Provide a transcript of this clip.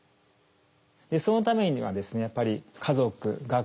そのためにはですねやっぱり家族学校がですね